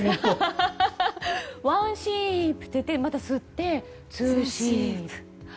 ワンシープって言って吸って、ツーシープ。